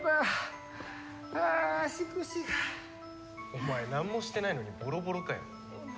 お前なんもしてないのにボロボロかよ。